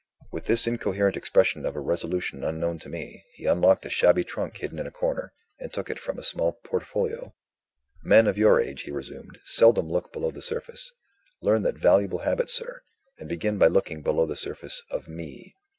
With this incoherent expression of a resolution unknown to me, he unlocked a shabby trunk hidden in a corner, and took from it a small portfolio. "Men of your age," he resumed, "seldom look below the surface. Learn that valuable habit, sir and begin by looking below the surface of Me."